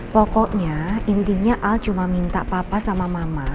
pokoknya intinya al cuma minta papa sama mama